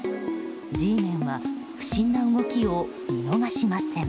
Ｇメンは不審な動きを見逃しません。